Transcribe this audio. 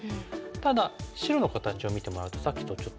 ただ白の形を見てもらうとさっきとちょっと違うの分かります？